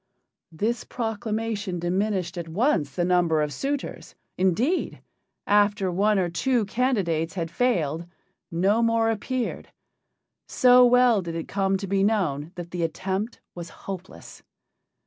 This proclamation diminished at once the number of suitors. Indeed, after one or two candidates had failed, no more appeared so well did it come to be known that the attempt was hopeless.